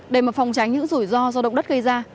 để mà phòng tránh những rủi ro do động đất gây ra